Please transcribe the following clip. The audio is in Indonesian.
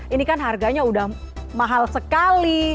ini kan harganya udah mahal sekali